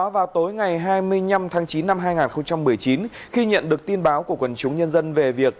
vào tối ngày hai mươi năm tháng chín năm hai nghìn một mươi chín khi nhận được tin báo của quần chúng nhân dân về việc